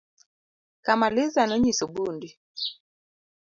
Kamaliza nonyiso Bundi